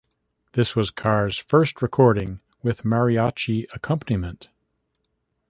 This was Carr's first recording with mariachi accompaniment.